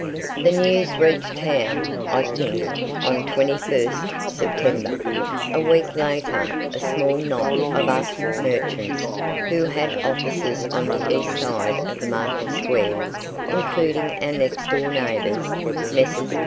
The news reached town, I think, on 21st September. A week later a small knot of us merchants, who had offices on the east side of the Market square including our next door neighbours, Messrs.